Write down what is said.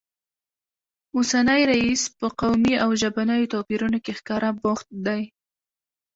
اوسنی رییس په قومي او ژبنیو توپیرونو کې ښکاره بوخت دی